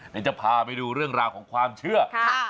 เดี๋ยวจะพาไปดูเรื่องราวของความเชื่อ